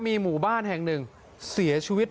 มีหมู่บ้านแห่งหนึ่งเสียชีวิต